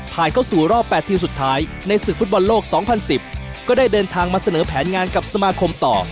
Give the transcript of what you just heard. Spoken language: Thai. เข้าสู่รอบ๘ทีมสุดท้ายในศึกฟุตบอลโลก๒๐๑๐ก็ได้เดินทางมาเสนอแผนงานกับสมาคมต่อ